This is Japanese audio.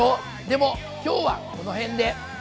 でも今日はこの辺で。